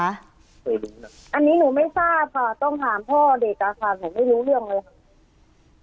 อันนี้หนูไม่ทราบค่ะต้องถามพ่อเด็กอะค่ะหนูไม่รู้เรื่องเลยค่ะ